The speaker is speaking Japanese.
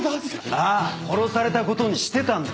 ああ殺されたことにしてたんだ。